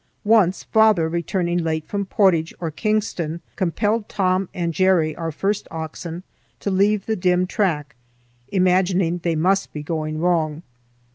Once, father, returning late from Portage or Kingston, compelled Tom and Jerry, our first oxen, to leave the dim track, imagining they must be going wrong.